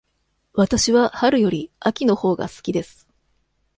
わたしは春より秋のほうが好きです。